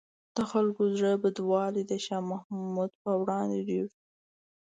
د خلکو زړه بدوالی د شاه محمود په وړاندې ډېر شو.